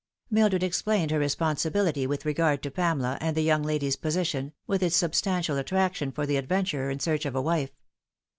Mildred explained her responsibility with regard to Pamela and the young lady's position, with its substantial attraction for the adventurer in search of a wife.